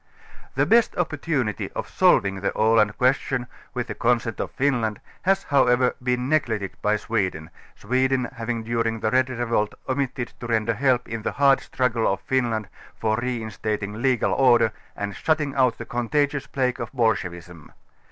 The best opportunity of solving the xiland question, with the consent of Finland has however been neglected by Swe den, Sweden having during the red revolt omitted to ren der help in the hard struggle of Finland for reinstating legal order and shutting out the contagious plague of bolsche vism.